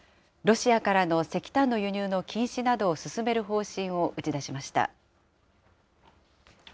ロシアからの石炭の輸入の禁止などを進める方針を打ち出しました。